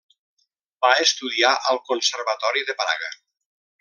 Va estudiar al Conservatori de Praga.